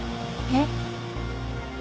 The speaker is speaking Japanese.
えっ？